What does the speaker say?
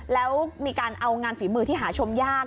แล้วมีการเอางานฝีมือที่หาชมยาก